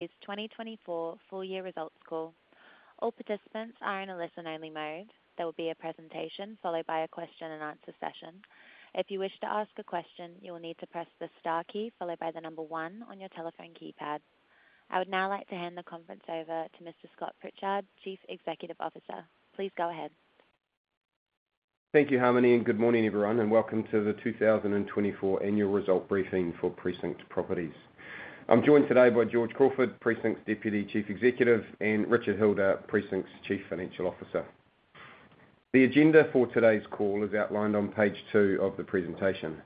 2024 full year results call. All participants are in a listen-only mode. There will be a presentation, followed by a question and answer session. If you wish to ask a question, you will need to press the star key, followed by the number one on your telephone keypad. I would now like to hand the conference over to Mr. Scott Pritchard, Chief Executive Officer. Please go ahead. Thank you, Harmony, and good morning, everyone, and welcome to the 2024 annual result briefing for Precinct Properties. I'm joined today by George Crawford, Precinct's Deputy Chief Executive, and Richard Hilder, Precinct's Chief Financial Officer. The agenda for today's call is outlined on page two of the presentation.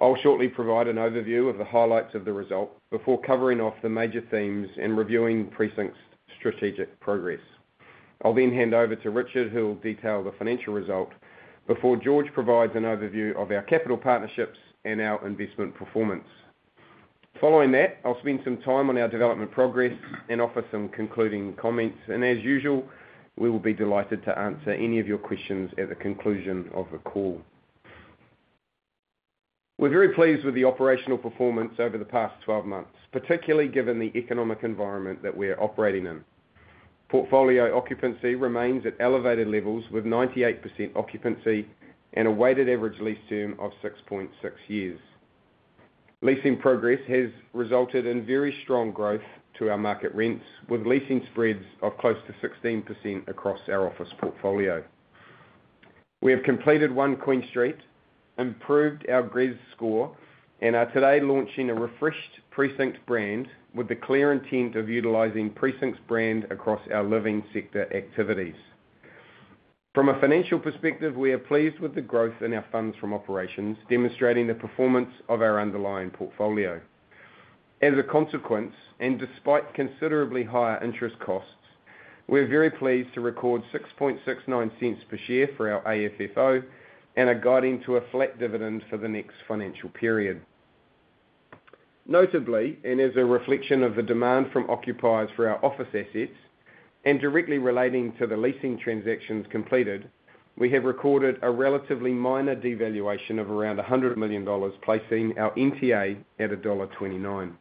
I'll shortly provide an overview of the highlights of the result before covering off the major themes and reviewing Precinct's strategic progress. I'll then hand over to Richard, who'll detail the financial result before George provides an overview of our capital partnerships and our investment performance. Following that, I'll spend some time on our development progress and offer some concluding comments. And as usual, we will be delighted to answer any of your questions at the conclusion of the call. We're very pleased with the operational performance over the past twelve months, particularly given the economic environment that we are operating in. Portfolio occupancy remains at elevated levels, with 98% occupancy and a weighted average lease term of 6.6 years. Leasing progress has resulted in very strong growth to our market rents, with leasing spreads of close to 16% across our office portfolio. We have completed One Queen Street, improved our GRESB score, and are today launching a refreshed Precinct brand with the clear intent of utilizing Precinct's brand across our living sector activities. From a financial perspective, we are pleased with the growth in our funds from operations, demonstrating the performance of our underlying portfolio. As a consequence, and despite considerably higher interest costs, we're very pleased to record 0.0669 per share for our AFFO, and are guiding to a flat dividend for the next financial period. Notably, and as a reflection of the demand from occupiers for our office assets, and directly relating to the leasing transactions completed, we have recorded a relatively minor devaluation of around 100 million dollars, placing our NTA at dollar 1.29.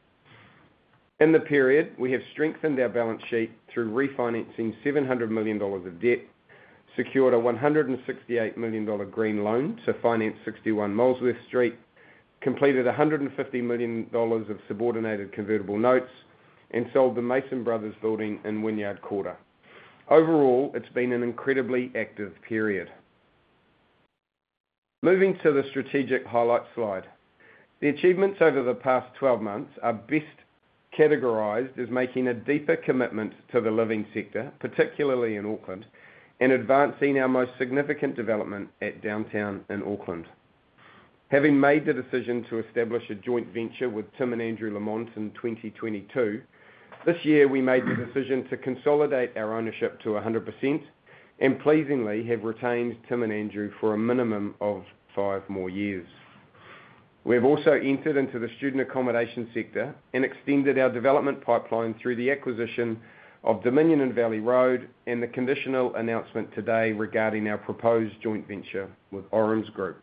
In the period, we have strengthened our balance sheet through refinancing 700 million dollars of debt, secured a 168 million dollar green loan to finance 61 Molesworth Street, completed 150 million dollars of subordinated convertible notes, and sold the Mason Brothers Building in Wynyard Quarter. Overall, it's been an incredibly active period. Moving to the strategic highlights slide. The achievements over the past twelve months are best categorized as making a deeper commitment to the living sector, particularly in Auckland, and advancing our most significant development at Downtown in Auckland. Having made the decision to establish a joint venture with Tim and Andrew Lamont in 2022, this year we made the decision to consolidate our ownership to 100%, and pleasingly, have retained Tim and Andrew for a minimum of five more years. We have also entered into the student accommodation sector and extended our development pipeline through the acquisition of Dominion and Valley Road, and the conditional announcement today regarding our proposed joint venture with Orams Group.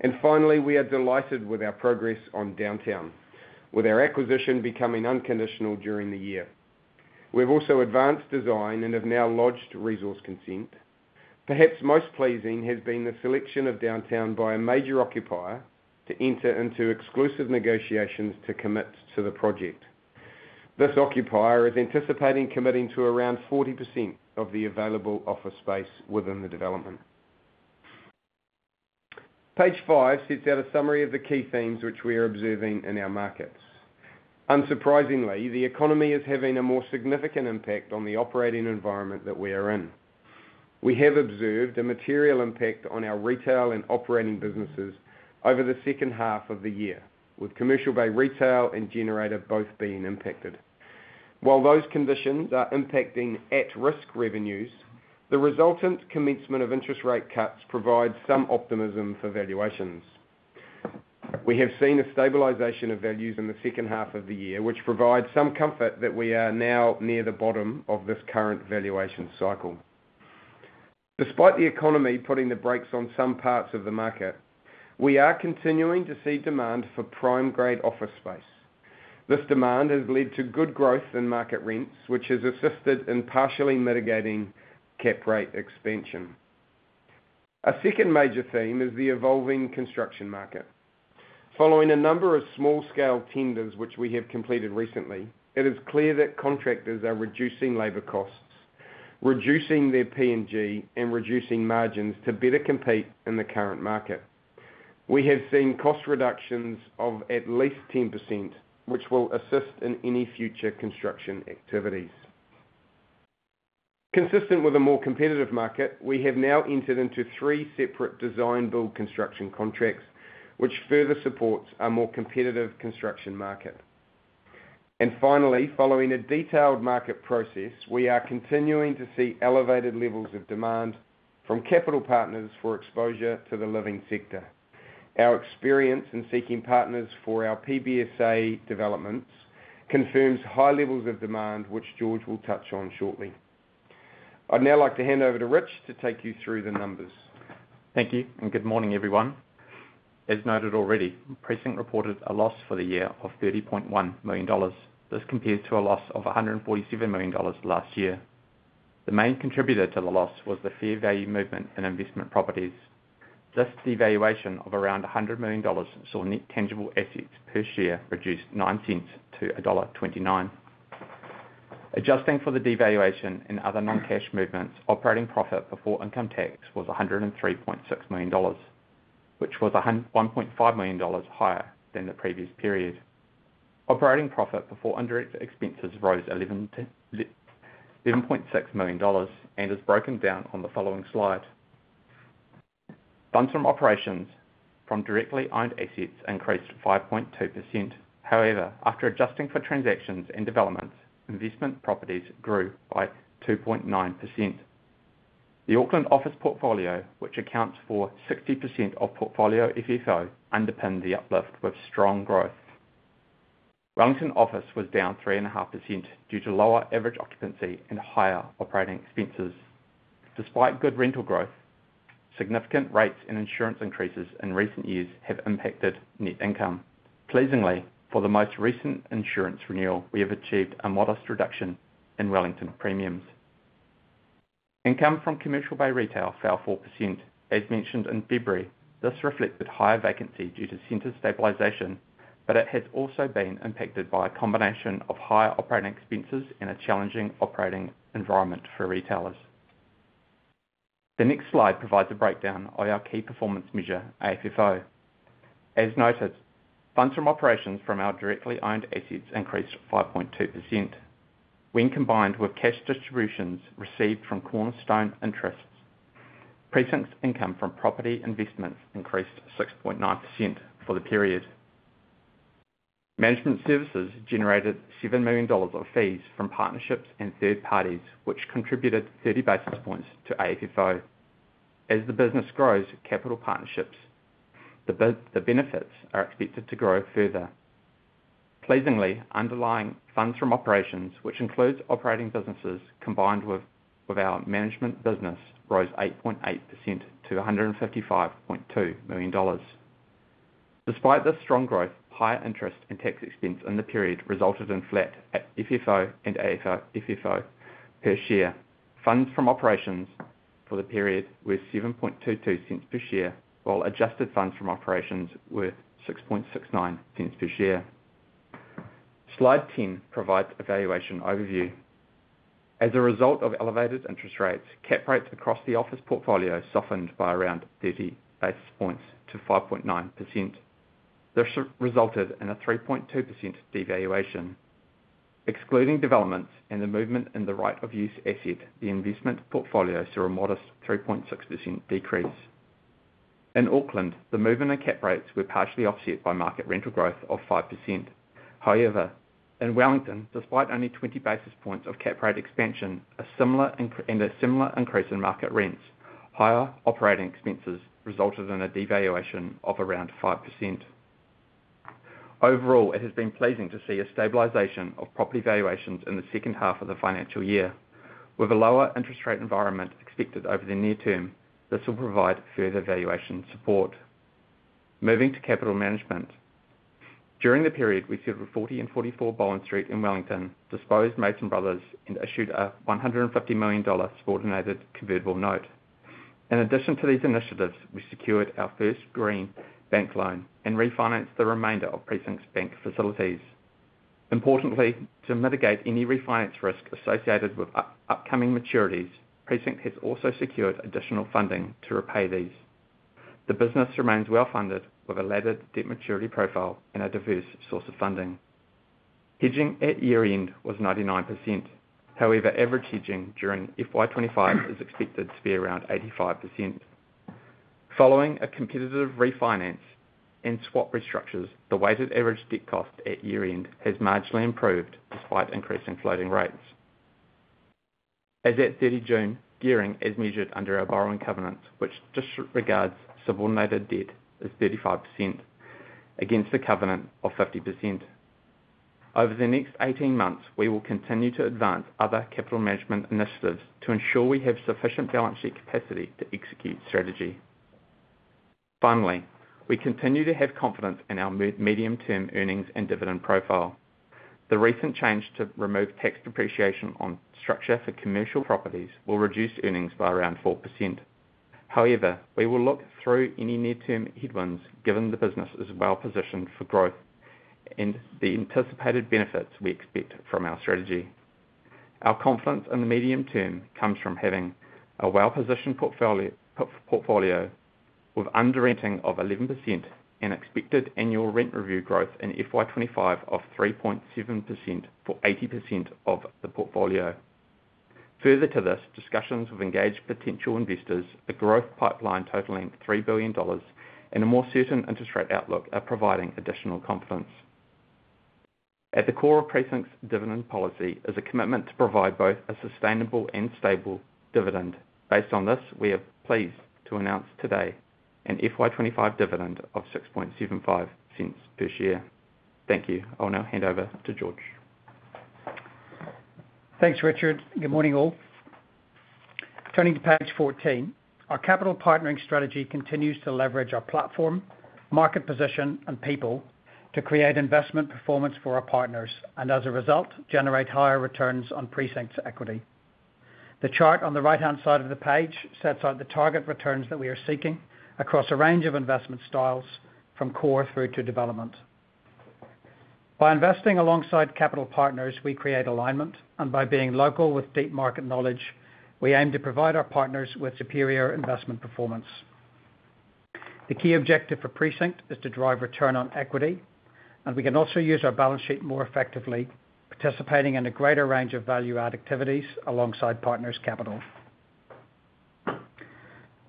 And finally, we are delighted with our progress on Downtown, with our acquisition becoming unconditional during the year. We've also advanced design and have now lodged resource consent. Perhaps most pleasing has been the selection of Downtown by a major occupier to enter into exclusive negotiations to commit to the project. This occupier is anticipating committing to around 40% of the available office space within the development. Page five sets out a summary of the key themes which we are observing in our markets. Unsurprisingly, the economy is having a more significant impact on the operating environment that we are in. We have observed a material impact on our retail and operating businesses over the second half of the year, with Commercial Bay retail and Generator both being impacted. While those conditions are impacting at-risk revenues, the resultant commencement of interest rate cuts provides some optimism for valuations. We have seen a stabilization of values in the second half of the year, which provides some comfort that we are now near the bottom of this current valuation cycle. Despite the economy putting the brakes on some parts of the market, we are continuing to see demand for prime grade office space. This demand has led to good growth in market rents, which has assisted in partially mitigating cap rate expansion. A second major theme is the evolving construction market. Following a number of small-scale tenders, which we have completed recently, it is clear that contractors are reducing labor costs, reducing their P&G, and reducing margins to better compete in the current market. We have seen cost reductions of at least 10%, which will assist in any future construction activities. Consistent with a more competitive market, we have now entered into three separate design build construction contracts, which further supports a more competitive construction market. And finally, following a detailed market process, we are continuing to see elevated levels of demand from capital partners for exposure to the living sector. Our experience in seeking partners for our PBSA developments confirms high levels of demand, which George will touch on shortly. I'd now like to hand over to Rich to take you through the numbers. Thank you, and good morning, everyone. As noted already, Precinct reported a loss for the year of 30.1 million dollars. This compares to a loss of 147 million dollars last year. The main contributor to the loss was the fair value movement in investment properties. This devaluation of around 100 million dollars saw net tangible assets per share reduced NZD0.09-NZD 1.29. Adjusting for the devaluation and other non-cash movements, operating profit before income tax was 103.6 million dollars, which was 1.5 million dollars higher than the previous period. Operating profit before indirect expenses rose 11.6 million dollars and is broken down on the following slide. Funds from operations from directly owned assets increased 5.2%. However, after adjusting for transactions and developments, investment properties grew by 2.9%. The Auckland office portfolio, which accounts for 60% of portfolio FFO, underpinned the uplift with strong growth. Wellington office was down 3.5% due to lower average occupancy and higher operating expenses. Despite good rental growth, significant rates and insurance increases in recent years have impacted net income. Pleasingly, for the most recent insurance renewal, we have achieved a modest reduction in Wellington premiums. Income from Commercial Bay Retail fell 4%. As mentioned in February, this reflected higher vacancy due to center stabilization, but it has also been impacted by a combination of higher operating expenses and a challenging operating environment for retailers. The next slide provides a breakdown of our key performance measure, AFFO. As noted, funds from operations from our directly owned assets increased 5.2%, when combined with cash distributions received from Cornerstone Interests. Precinct's income from property investments increased 6.9% for the period. Management services generated 7 million dollars of fees from partnerships and third parties, which contributed 30 basis points to AFFO. As the business grows capital partnerships, the benefits are expected to grow further. Pleasingly, underlying funds from operations, which includes operating businesses, combined with our management business, rose 8.8% to 155.2 million dollars. Despite this strong growth, higher interest and tax expense in the period resulted in flat FFO and AFFO per share. Funds from operations for the period were 0.0722 per share, while adjusted funds from operations were 0.0669 per share. Slide ten provides a valuation overview. As a result of elevated interest rates, cap rates across the office portfolio softened by around 30 basis points to 5.9%. This resulted in a 3.2% devaluation. Excluding developments and the movement in the right of use asset, the investment portfolio saw a modest 3.6% decrease. In Auckland, the movement in cap rates were partially offset by market rental growth of 5%. However, in Wellington, despite only 20 basis points of cap rate expansion, a similar increase in market rents, higher operating expenses resulted in a devaluation of around 5%. Overall, it has been pleasing to see a stabilization of property valuations in the second half of the financial year. With a lower interest rate environment expected over the near term, this will provide further valuation support. Moving to capital management. During the period, we secured 40 and 44 Bowen Street in Wellington, disposed Mason Brothers, and issued a $150 million subordinated convertible note. In addition to these initiatives, we secured our first green bank loan and refinanced the remainder of Precinct's bank facilities. Importantly, to mitigate any refinance risk associated with upcoming maturities, Precinct has also secured additional funding to repay these. The business remains well-funded, with a laddered debt maturity profile and a diverse source of funding. Hedging at year-end was 99%. However, average hedging during FY 2025 is expected to be around 85%. Following a competitive refinance and swap restructures, the weighted average debt cost at year-end has marginally improved, despite increasing floating rates. As at 30 June, gearing is measured under our borrowing covenants, which disregards subordinated debt as 35% against a covenant of 50%. Over the next 18 months, we will continue to advance other capital management initiatives to ensure we have sufficient balance sheet capacity to execute strategy. Finally, we continue to have confidence in our medium-term earnings and dividend profile. The recent change to remove tax depreciation on structure for commercial properties will reduce earnings by around 4%. However, we will look through any near-term headwinds, given the business is well-positioned for growth and the anticipated benefits we expect from our strategy. Our confidence in the medium term comes from having a well-positioned portfolio with underrenting of 11% and expected annual rent review growth in FY 2025 of 3.7% for 80% of the portfolio. Further to this, discussions with engaged potential investors, a growth pipeline totaling 3 billion dollars and a more certain interest rate outlook are providing additional confidence. At the core of Precinct's dividend policy is a commitment to provide both a sustainable and stable dividend. Based on this, we are pleased to announce today an FY 2025 dividend of 6.75 cents per share.... Thank you. I'll now hand over to George. Thanks, Richard. Good morning, all. Turning to page 14, our capital partnering strategy continues to leverage our platform, market position, and people to create investment performance for our partners, and as a result, generate higher returns on Precinct's equity. The chart on the right-hand side of the page sets out the target returns that we are seeking across a range of investment styles, from core through to development. By investing alongside capital partners, we create alignment, and by being local with deep market knowledge, we aim to provide our partners with superior investment performance. The key objective for Precinct is to drive return on equity, and we can also use our balance sheet more effectively, participating in a greater range of value-add activities alongside partners' capital.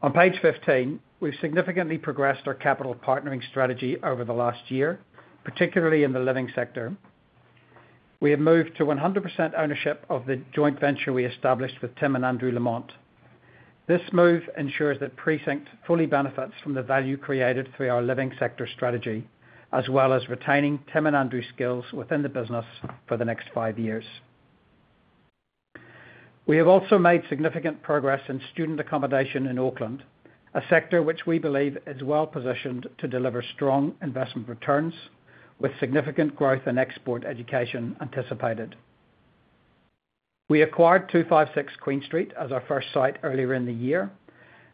On page 15, we've significantly progressed our capital partnering strategy over the last year, particularly in the living sector. We have moved to 100% ownership of the joint venture we established with Tim and Andrew Lamont. This move ensures that Precinct fully benefits from the value created through our living sector strategy, as well as retaining Tim and Andrew's skills within the business for the next five years. We have also made significant progress in student accommodation in Auckland, a sector which we believe is well-positioned to deliver strong investment returns, with significant growth in export education anticipated. We acquired 256 Queen Street as our first site earlier in the year,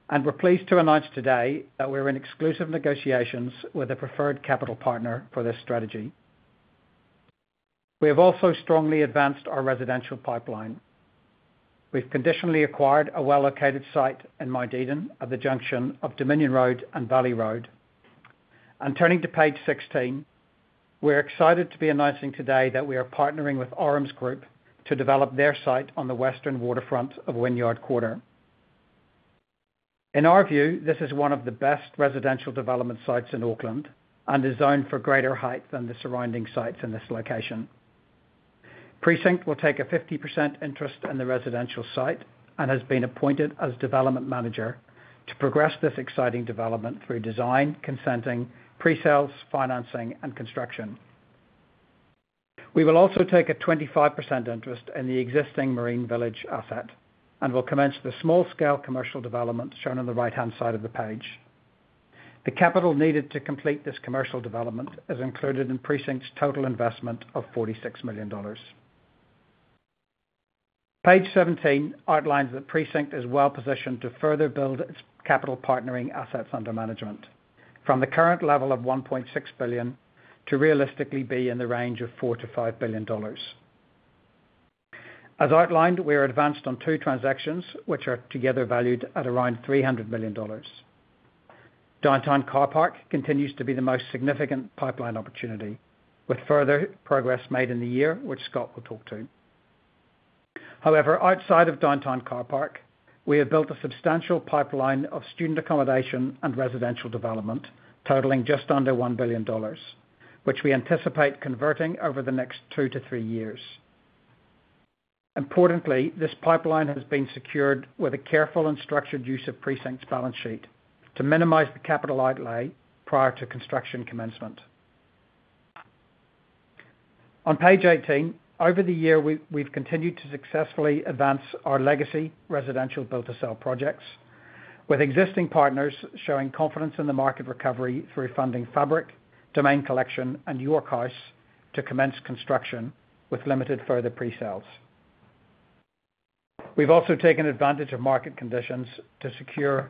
and we're pleased to announce today that we're in exclusive negotiations with a preferred capital partner for this strategy. We have also strongly advanced our residential pipeline. We've conditionally acquired a well-located site in Mt Eden, at the junction of Dominion Road and Valley Road. Turning to page 16, we're excited to be announcing today that we are partnering with Orams Group to develop their site on the western waterfront of Wynyard Quarter. In our view, this is one of the best residential development sites in Auckland and is zoned for greater height than the surrounding sites in this location. Precinct will take a 50% interest in the residential site and has been appointed as development manager to progress this exciting development through design, consenting, pre-sales, financing, and construction. We will also take a 25% interest in the existing Marine Village asset and will commence the small-scale commercial development shown on the right-hand side of the page. The capital needed to complete this commercial development is included in Precinct's total investment of 46 million dollars. Page 17 outlines that Precinct is well-positioned to further build its capital partnering assets under management, from the current level of 1.6 billion, to realistically be in the range of 4-NZD5 billion. As outlined, we are advanced on two transactions, which are together valued at around 300 million dollars. Downtown Carpark continues to be the most significant pipeline opportunity, with further progress made in the year, which Scott will talk to. However, outside of Downtown Carpark, we have built a substantial pipeline of student accommodation and residential development totaling just under 1 billion dollars, which we anticipate converting over the next two to three years. Importantly, this pipeline has been secured with a careful and structured use of Precinct's balance sheet to minimize the capital outlay prior to construction commencement. On page 18, over the year, we've continued to successfully advance our legacy residential build-to-sell projects, with existing partners showing confidence in the market recovery through funding Fabric, Domain Collection, and York House to commence construction with limited further pre-sales. We've also taken advantage of market conditions to secure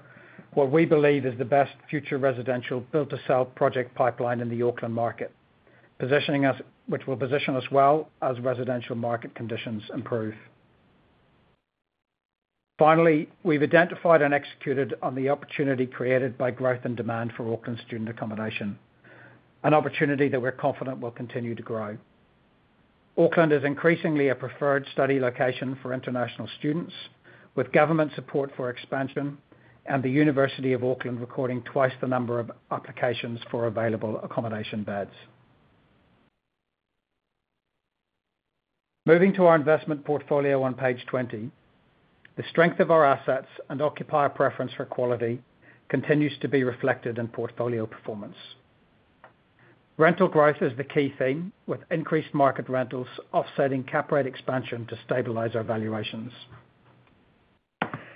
what we believe is the best future residential build-to-sell project pipeline in the Auckland market, which will position us well as residential market conditions improve. Finally, we've identified and executed on the opportunity created by growth and demand for Auckland student accommodation, an opportunity that we're confident will continue to grow. Auckland is increasingly a preferred study location for international students, with government support for expansion and the University of Auckland recording twice the number of applications for available accommodation beds. Moving to our investment portfolio on page 20, the strength of our assets and occupier preference for quality continues to be reflected in portfolio performance. Rental growth is the key theme, with increased market rentals offsetting cap rate expansion to stabilize our valuations.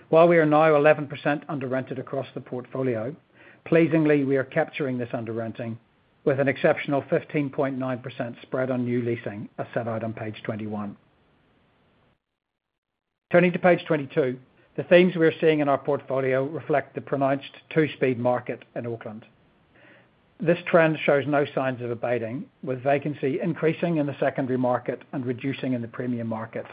While we are now 11% under-rented across the portfolio, pleasingly, we are capturing this under-renting with an exceptional 15.9% spread on new leasing, as set out on page 21. Turning to page 22, the themes we are seeing in our portfolio reflect the pronounced two-speed market in Auckland. This trend shows no signs of abating, with vacancy increasing in the secondary market and reducing in the premium market,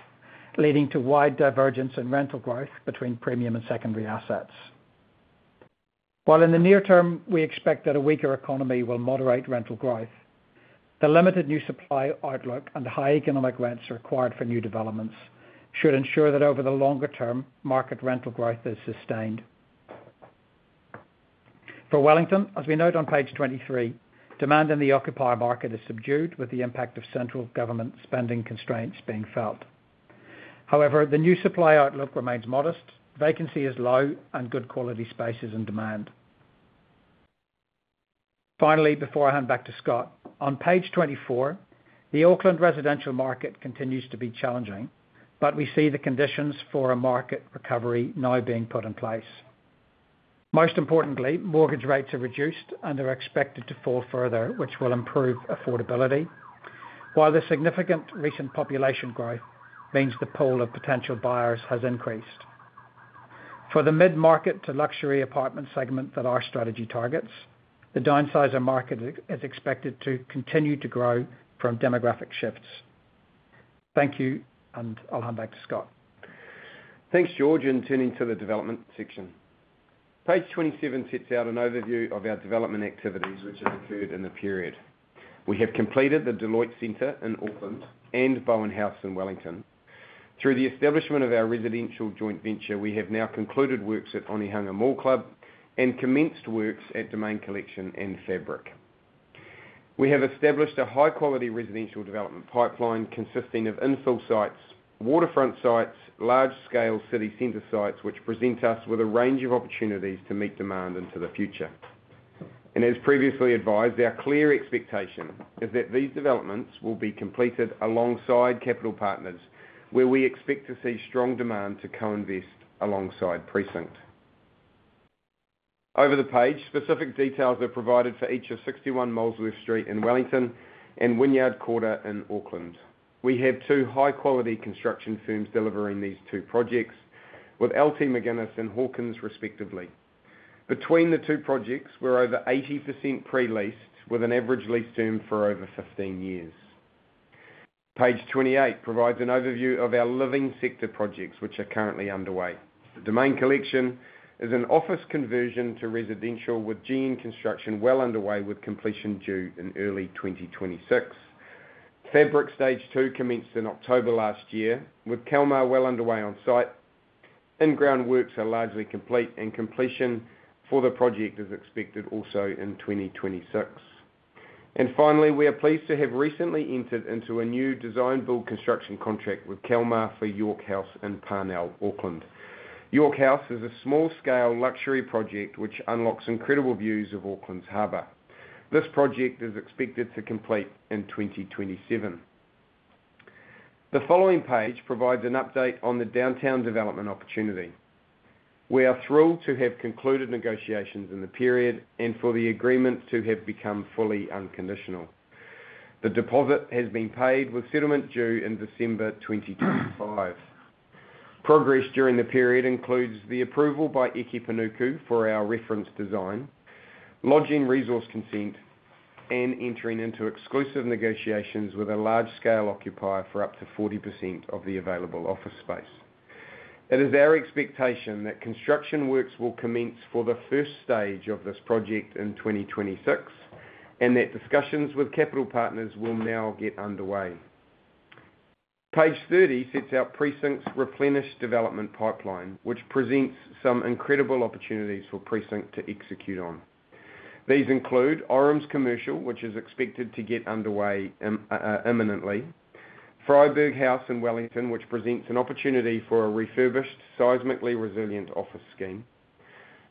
leading to wide divergence in rental growth between premium and secondary assets. While in the near term, we expect that a weaker economy will moderate rental growth, the limited new supply outlook and high economic rents required for new developments should ensure that over the longer term, market rental growth is sustained. For Wellington, as we note on page 23, demand in the occupier market is subdued, with the impact of central government spending constraints being felt. However, the new supply outlook remains modest, vacancy is low, and good quality space is in demand. Finally, before I hand back to Scott, on page 24, the Auckland residential market continues to be challenging, but we see the conditions for a market recovery now being put in place. Most importantly, mortgage rates are reduced and are expected to fall further, which will improve affordability. While the significant recent population growth means the pool of potential buyers has increased. For the mid-market to luxury apartment segment that our strategy targets, the downsizer market is expected to continue to grow from demographic shifts. Thank you, and I'll hand back to Scott. Thanks, George, and turning to the development section. Page 27 sets out an overview of our development activities, which have occurred in the period. We have completed the Deloitte Centre in Auckland and Bowen House in Wellington. Through the establishment of our residential joint venture, we have now concluded works at Onehunga Mall Club and commenced works at Domain Collection and Fabric. We have established a high-quality residential development pipeline consisting of infill sites, waterfront sites, large-scale city center sites, which present us with a range of opportunities to meet demand into the future, and as previously advised, our clear expectation is that these developments will be completed alongside capital partners, where we expect to see strong demand to co-invest alongside Precinct. Over the page, specific details are provided for each of 61 Molesworth Street in Wellington and Wynyard Quarter in Auckland. We have two high-quality construction firms delivering these two projects, with LT McGuinness and Hawkins, respectively. Between the two projects, we're over 80% pre-leased, with an average lease term for over 15 years. Page 28 provides an overview of our living sector projects, which are currently underway. The Domain Collection is an office conversion to residential, with main construction well underway, with completion due in early 2026. Fabric Stage Two commenced in October last year, with Kalmar well underway on site. In-ground works are largely complete, and completion for the project is expected also in 2026. Finally, we are pleased to have recently entered into a new design build construction contract with Kalmar for York House in Parnell, Auckland. York House is a small-scale luxury project, which unlocks incredible views of Auckland's harbor. This project is expected to complete in 2027. The following page provides an update on the downtown development opportunity. We are thrilled to have concluded negotiations in the period and for the agreement to have become fully unconditional. The deposit has been paid, with settlement due in December 2025. Progress during the period includes the approval by Eke Panuku for our reference design, lodging resource consent, and entering into exclusive negotiations with a large-scale occupier for up to 40% of the available office space. It is our expectation that construction works will commence for the first stage of this project in 2026, and that discussions with capital partners will now get underway. Page 30 sets out Precinct's replenished development pipeline, which presents some incredible opportunities for Precinct to execute on. These include Orams Commercial, which is expected to get underway imminently. Freyberg House in Wellington, which presents an opportunity for a refurbished, seismically resilient office scheme.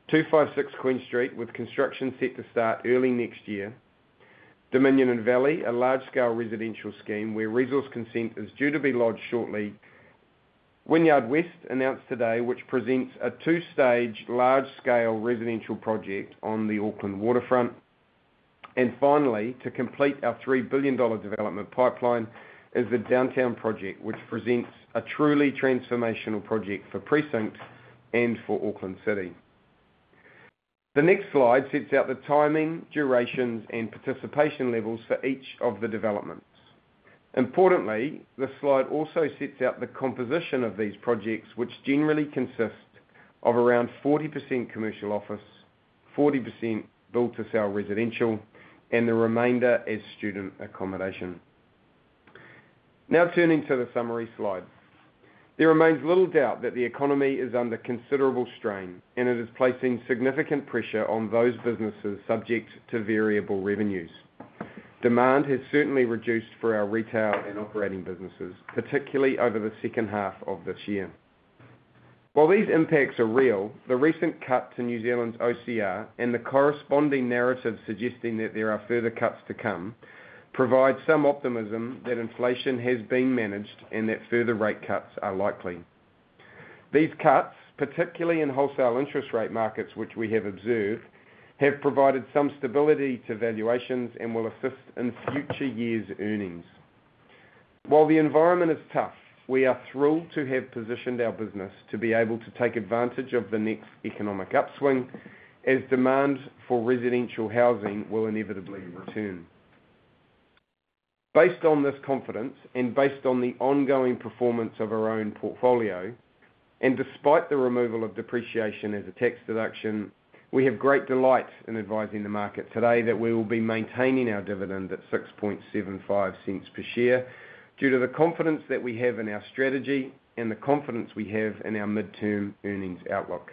256 Queen Street, with construction set to start early next year. Dominion and Valley, a large-scale residential scheme, where resource consent is due to be lodged shortly. Wynyard West, announced today, which presents a two-stage, large-scale residential project on the Auckland waterfront. And finally, to complete our $3 billion development pipeline, is the Downtown Project, which presents a truly transformational project for Precinct and for Auckland City. The next slide sets out the timing, durations, and participation levels for each of the developments. Importantly, this slide also sets out the composition of these projects, which generally consist of around 40% commercial office, 40% build-to-sell residential, and the remainder is student accommodation. Now, turning to the summary slide. There remains little doubt that the economy is under considerable strain, and it is placing significant pressure on those businesses subject to variable revenues. Demand has certainly reduced for our retail and operating businesses, particularly over the second half of this year. While these impacts are real, the recent cut to New Zealand's OCR and the corresponding narrative suggesting that there are further cuts to come provides some optimism that inflation has been managed and that further rate cuts are likely. These cuts, particularly in wholesale interest rate markets, which we have observed, have provided some stability to valuations and will assist in future years' earnings. While the environment is tough, we are thrilled to have positioned our business to be able to take advantage of the next economic upswing, as demand for residential housing will inevitably return. Based on this confidence, and based on the ongoing performance of our own portfolio, and despite the removal of depreciation as a tax deduction, we have great delight in advising the market today that we will be maintaining our dividend at 0.0675 per share, due to the confidence that we have in our strategy and the confidence we have in our midterm earnings outlook.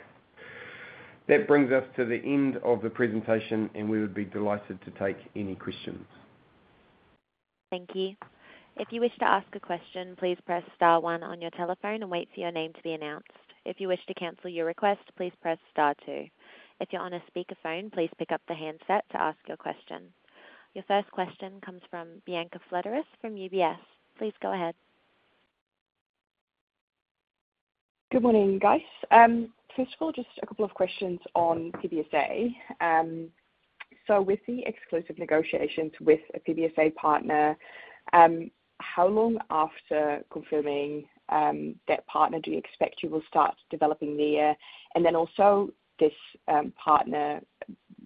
...That brings us to the end of the presentation, and we would be delighted to take any questions. Thank you. If you wish to ask a question, please press star one on your telephone and wait for your name to be announced. If you wish to cancel your request, please press star two. If you're on a speakerphone, please pick up the handset to ask your question. Your first question comes from Bianca Fledderus from UBS. Please go ahead. Good morning, guys. First of all, just a couple of questions on PBSA. So with the exclusive negotiations with a PBSA partner, how long after confirming that partner do you expect you will start developing there? And then also this partner,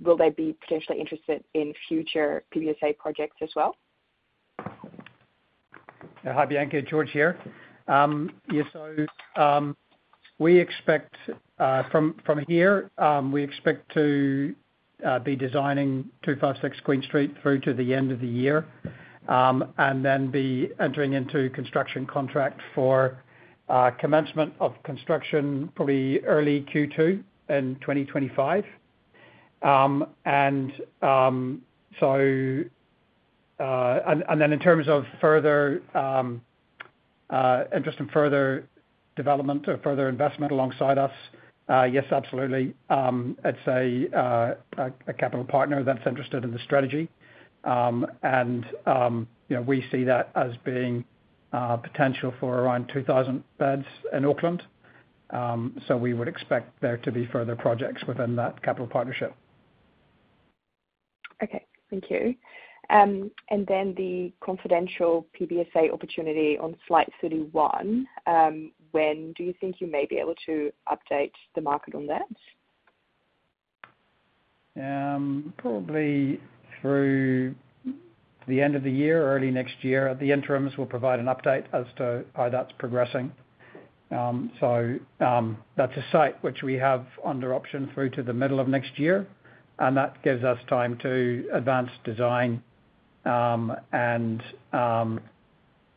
will they be potentially interested in future PBSA projects as well? Hi, Bianca. George here. We expect from here to be designing 256 Queen Street through to the end of the year. And then be entering into construction contract for commencement of construction, probably early Q2 in 2025. And then in terms of further interest and further development or further investment alongside us, yes, absolutely. It's a capital partner that's interested in the strategy. And you know, we see that as being potential for around 2,000 beds in Auckland. So we would expect there to be further projects within that capital partnership. Okay. Thank you. And then the confidential PBSA opportunity on slide 31, when do you think you may be able to update the market on that? Probably through the end of the year or early next year. At the interims, we'll provide an update as to how that's progressing. That's a site which we have under option through to the middle of next year, and that gives us time to advance design and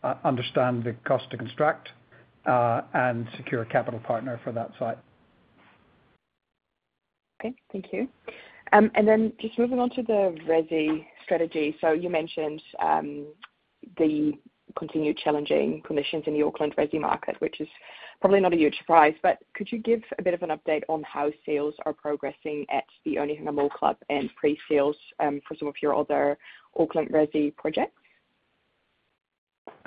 understand the cost to construct and secure a capital partner for that site. Okay, thank you. And then just moving on to the resi strategy. So you mentioned the continued challenging conditions in the Auckland resi market, which is probably not a huge surprise, but could you give a bit of an update on how sales are progressing at the Onehunga Mall Club and pre-sales for some of your other Auckland resi projects?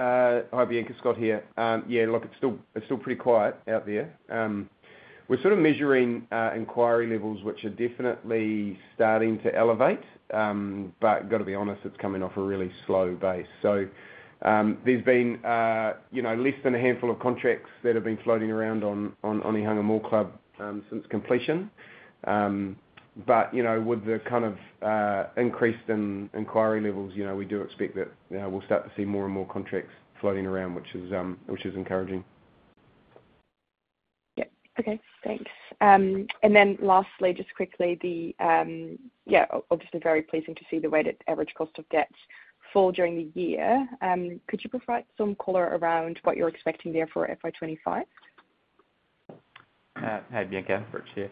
Hi, Bianca, Scott here. Yeah, look, it's still pretty quiet out there. We're sort of measuring inquiry levels, which are definitely starting to elevate. But got to be honest, it's coming off a really slow base. So, there's been, you know, less than a handful of contracts that have been floating around on Onehunga Mall Club since completion. But, you know, with the kind of increase in inquiry levels, you know, we do expect that, you know, we'll start to see more and more contracts floating around, which is encouraging. Yeah. Okay, thanks. And then lastly, just quickly, yeah, obviously very pleasing to see the weighted average cost of debt fall during the year. Could you provide some color around what you're expecting there for FY 2025? Hi, Bianca, Rich here.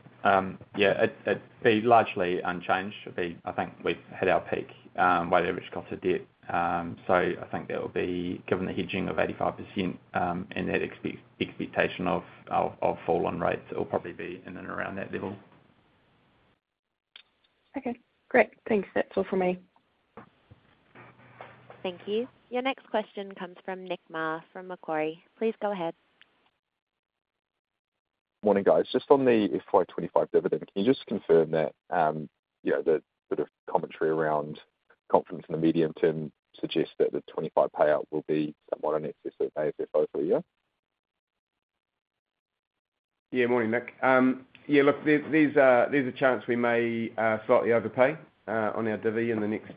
Yeah, it be largely unchanged. It be. I think we've hit our peak weighted average cost of debt. So I think that will be given the hedging of 85%, and that expectation of fallen rates, it'll probably be in and around that level. Okay, great. Thanks. That's all for me. Thank you. Your next question comes from Nick Mah, from Macquarie. Please go ahead. Morning, guys. Just on the FY 2025 dividend, can you just confirm that, yeah, the sort of commentary around confidence in the medium term suggests that the 2025 payout will be somewhat in excess of AFFO for the year? Yeah. Morning, Nick. Yeah, look, there's a chance we may slightly overpay on our divvy in the next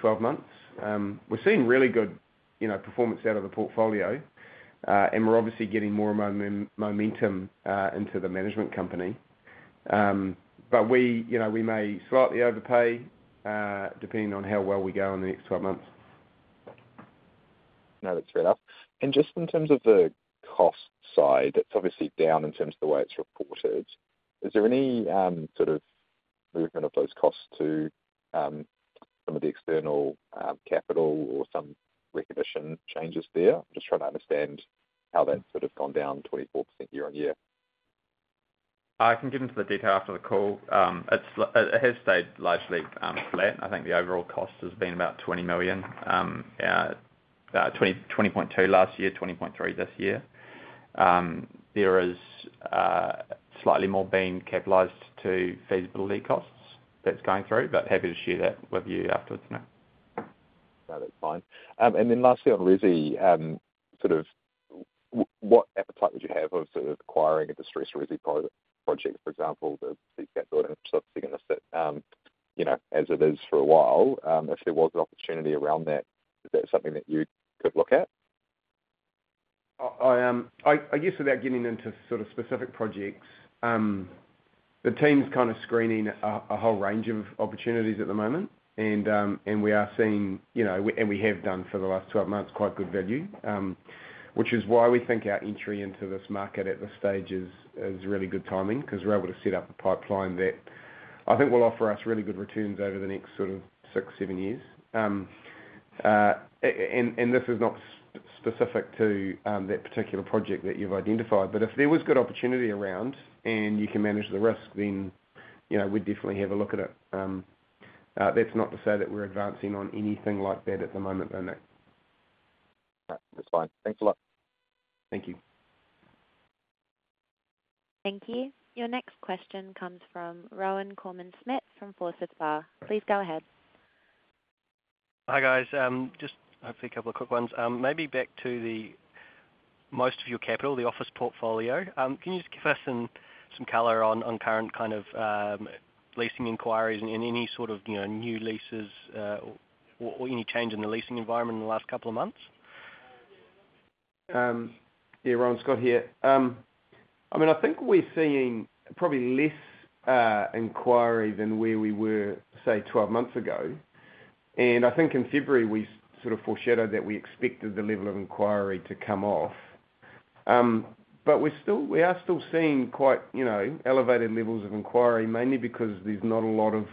12 months. We're seeing really good, you know, performance out of the portfolio, and we're obviously getting more momentum into the management company. But we, you know, we may slightly overpay depending on how well we go in the next twelve months. No, that's fair enough. And just in terms of the cost side, it's obviously down in terms of the way it's reported. Is there any sort of movement of those costs to some of the external capital or some recognition changes there? Just trying to understand how that's sort of gone down 24% year-on-year. I can get into the detail after the call. It has stayed largely flat. I think the overall cost has been about 20 million, 20.2 last year, 20.3 this year. There is slightly more being capitalized to feasibility costs that's going through, but happy to share that with you afterwards, Nick. No, that's fine. And then lastly on resi, sort of what appetite would you have of sort of acquiring a distressed resi project, for example, the Seascape, and sort of sitting on a site, you know, as it is for a while, if there was an opportunity around that, is that something that you could look at? I guess without getting into sort of specific projects, the team's kind of screening a whole range of opportunities at the moment, and and we are seeing, you know, and we have done for the last 12 months, quite good value. Which is why we think our entry into this market at this stage is really good timing, 'cause we're able to set up a pipeline that I think will offer us really good returns over the next sort of 6years-7 years. And this is not specific to that particular project that you've identified, but if there was good opportunity around and you can manage the risk, then, you know, we'd definitely have a look at it. That's not to say that we're advancing on anything like that at the moment, though, Nick. All right. That's fine. Thanks a lot. Thank you. Thank you. Your next question comes from Rohan Koreman-Smit, from Forsyth Barr. Please go ahead. Hi, guys. Just hopefully a couple of quick ones. Maybe back to the most of your capital, the office portfolio. Can you just give us some color on current kind of leasing inquiries and any sort of, you know, new leases, or any change in the leasing environment in the last couple of months? Yeah, Rohan, Scott here. I mean, I think we're seeing probably less inquiry than where we were, say, 12 months ago. And I think in February, we sort of foreshadowed that we expected the level of inquiry to come off. But we're still seeing quite, you know, elevated levels of inquiry, mainly because there's not a lot of,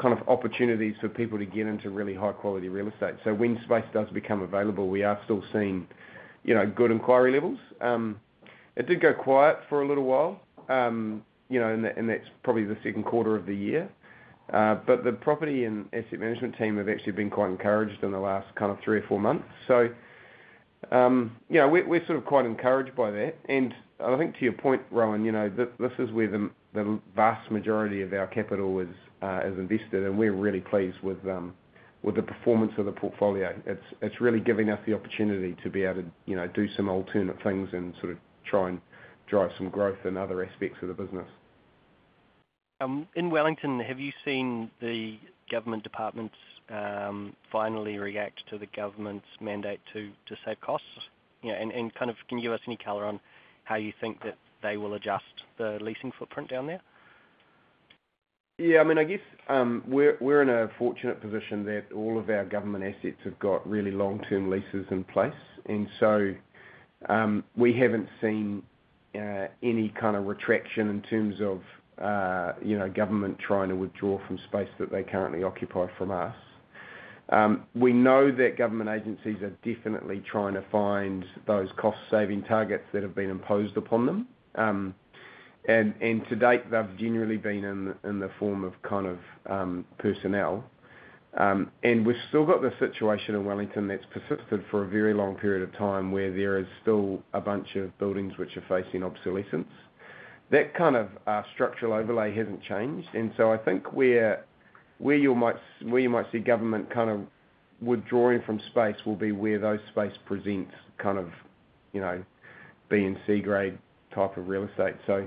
kind of, opportunities for people to get into really high quality real estate. So when space does become available, we are still seeing, you know, good inquiry levels. It did go quiet for a little while, you know, and that's probably the second quarter of the year. But the property and asset management team have actually been quite encouraged in the last kind of three or four months. So, you know, we're sort of quite encouraged by that. And I think to your point, Rohan, you know, this is where the vast majority of our capital is invested, and we're really pleased with the performance of the portfolio. It's really giving us the opportunity to be able to, you know, do some alternate things and sort of try and drive some growth in other aspects of the business. In Wellington, have you seen the government departments finally react to the government's mandate to save costs? You know, and kind of, can you give us any color on how you think that they will adjust the leasing footprint down there? Yeah, I mean, I guess, we're in a fortunate position that all of our government assets have got really long-term leases in place, and so we haven't seen any kind of retraction in terms of, you know, government trying to withdraw from space that they currently occupy from us. We know that government agencies are definitely trying to find those cost-saving targets that have been imposed upon them, and to date, they've generally been in the form of kind of personnel, and we've still got the situation in Wellington that's persisted for a very long period of time, where there is still a bunch of buildings which are facing obsolescence. That kind of structural overlay hasn't changed. And so I think where you might see government kind of withdrawing from space will be where those spaces present kind of, you know, B and C grade type of real estate. So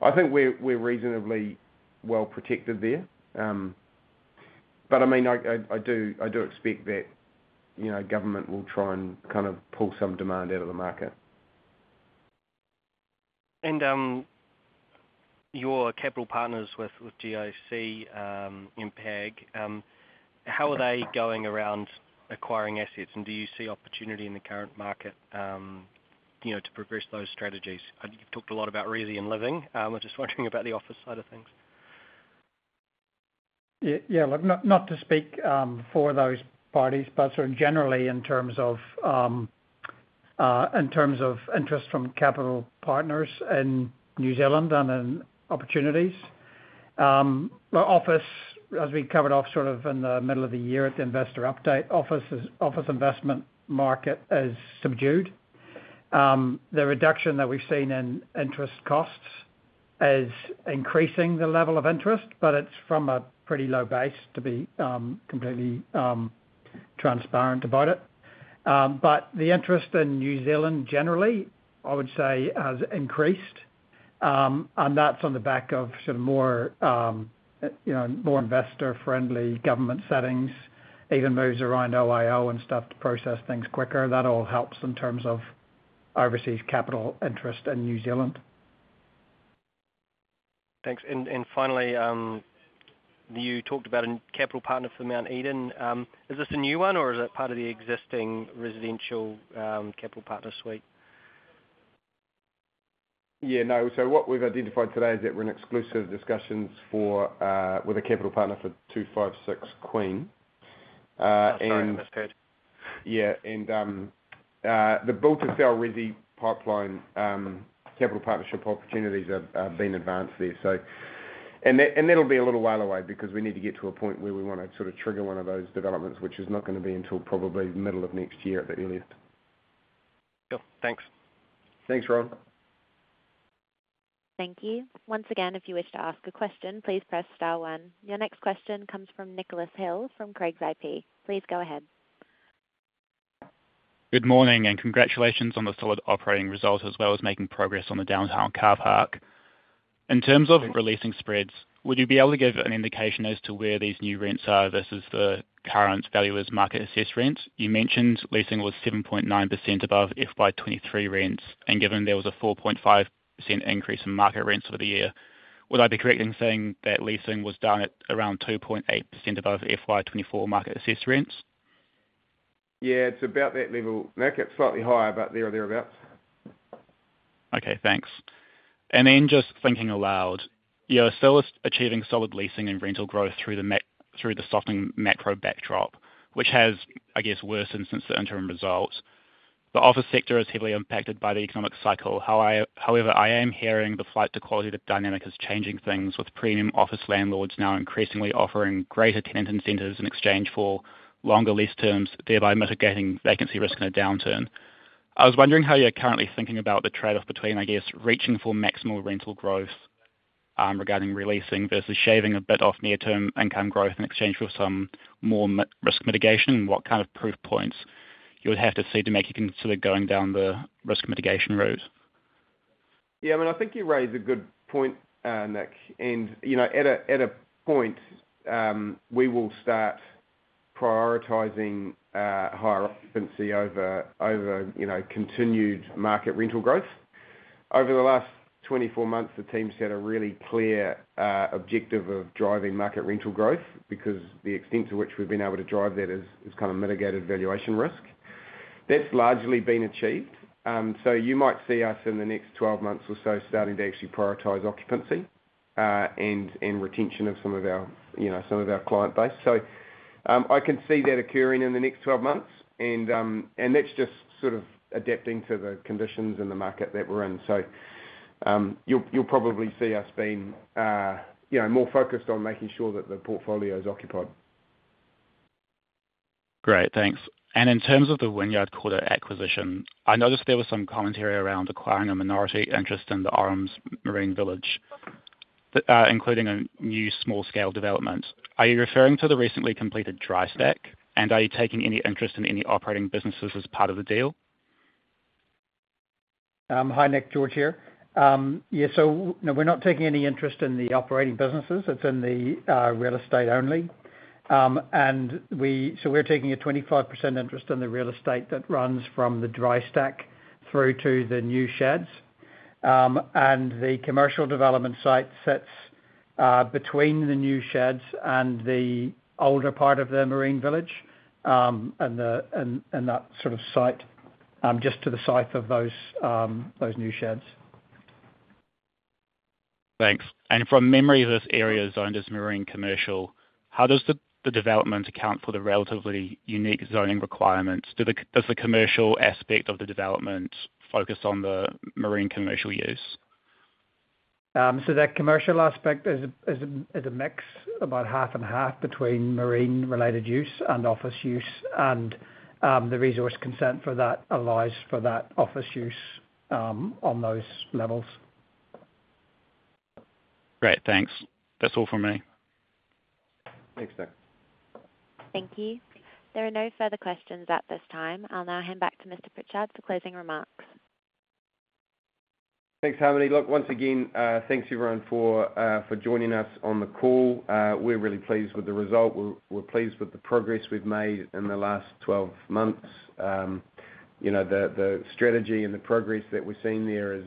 I think we're reasonably well protected there. But I mean, I do expect that, you know, government will try and kind of pull some demand out of the market. Your capital partners with GIC and PAG, how are they going around acquiring assets? And do you see opportunity in the current market, you know, to progress those strategies? You've talked a lot about resi and living. I was just wondering about the office side of things. Yeah, yeah. Look, not to speak for those parties, but sort of generally in terms of interest from capital partners in New Zealand and in opportunities, well, office, as we covered off sort of in the middle of the year at the investor update, office investment market is subdued. The reduction that we've seen in interest costs is increasing the level of interest, but it's from a pretty low base, to be completely transparent about it. But the interest in New Zealand generally, I would say, has increased. And that's on the back of some more, you know, more investor-friendly government settings, even moves around OIO and stuff to process things quicker. That all helps in terms of overseas capital interest in New Zealand. Thanks. And finally, you talked about a capital partner for Mount Eden. Is this a new one, or is it part of the existing residential capital partner suite? Yeah, no. So what we've identified today is that we're in exclusive discussions for, with a capital partner for 256 Queen. And- Oh, sorry, misunderstood. Yeah, and the build-to-sell resi pipeline, capital partnership opportunities have been advanced there, so. That'll be a little while away because we need to get to a point where we want to sort of trigger one of those developments, which is not gonna be until probably middle of next year at the earliest. Cool, thanks. Thanks, Rohan. Thank you. Once again, if you wish to ask a question, please press star one. Your next question comes from Nicholas Hill, from Craigs IP. Please go ahead. Good morning, and congratulations on the solid operating result, as well as making progress on the Downtown Carpark. In terms of re-leasing spreads, would you be able to give an indication as to where these new rents are versus the current value as market assessed rents? You mentioned leasing was 7.9% above FY 2023 rents, and given there was a 4.5% increase in market rents over the year, would I be correct in saying that leasing was down at around 2.8% above FY 2024 market assessed rents? Yeah, it's about that level. Might get slightly higher, but there or thereabouts.... Okay, thanks. And then just thinking aloud, you are still achieving solid leasing and rental growth through the softening macro backdrop, which has, I guess, worsened since the interim results. The office sector is heavily impacted by the economic cycle. However, I am hearing the flight to quality, the dynamic is changing things with premium office landlords now increasingly offering greater tenant incentives in exchange for longer lease terms, thereby mitigating vacancy risk in a downturn. I was wondering how you're currently thinking about the trade-off between, I guess, reaching for maximal rental growth, regarding re-leasing versus shaving a bit off near-term income growth in exchange for some more risk mitigation, and what kind of proof points you would have to see to make you consider going down the risk mitigation route? Yeah, I mean, I think you raise a good point, Nick, and, you know, at a point, we will start prioritizing higher occupancy over, you know, continued market rental growth. Over the last 24 months, the team set a really clear objective of driving market rental growth because the extent to which we've been able to drive that is kind of mitigated valuation risk. That's largely been achieved. So you might see us in the next 12 months or so, starting to actually prioritize occupancy, and retention of some of our, you know, some of our client base. So, I can see that occurring in the next 12 months and that's just sort of adapting to the conditions in the market that we're in. You'll probably see us being, you know, more focused on making sure that the portfolio is occupied. Great, thanks. And in terms of the Wynyard Quarter acquisition, I noticed there was some commentary around acquiring a minority interest in the Orams Marine Village, including a new small scale development. Are you referring to the recently completed dry stack, and are you taking any interest in any operating businesses as part of the deal? Hi, Nick, George here. Yeah, so no, we're not taking any interest in the operating businesses. It's in the real estate only. So we're taking a 25% interest in the real estate that runs from the dry stack through to the new sheds. The commercial development site sits between the new sheds and the older part of the Marine Village, and that sort of site just to the south of those new sheds. Thanks. And from memory, this area is zoned as marine commercial. How does the development account for the relatively unique zoning requirements? Does the commercial aspect of the development focus on the marine commercial use? So that commercial aspect is a mix, about half and half between marine-related use and office use, and the resource consent for that allows for that office use on those levels. Great, thanks. That's all for me. Thanks, Nick. Thank you. There are no further questions at this time. I'll now hand back to Mr. Pritchard for closing remarks. Thanks, Harmony. Look, once again, thanks, everyone, for joining us on the call. We're really pleased with the result. We're pleased with the progress we've made in the last twelve months. You know, the strategy and the progress that we're seeing there is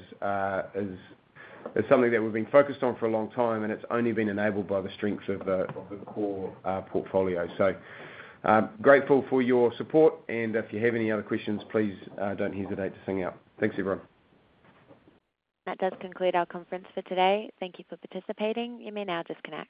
something that we've been focused on for a long time, and it's only been enabled by the strengths of the core portfolio. So, grateful for your support, and if you have any other questions, please, don't hesitate to sing out. Thanks, everyone. That does conclude our conference for today. Thank you for participating. You may now disconnect.